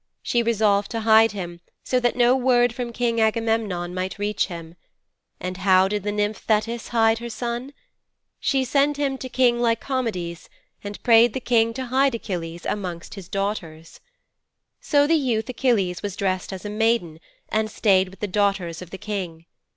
She resolved to hide him so that no word from King Agamemnon might reach him. And how did the nymph Thetis hide her son? She sent him to King Lycomedes and prayed the King to hide Achilles amongst his daughters. 'So the youth Achilles was dressed as a maiden and stayed with the daughters of the King.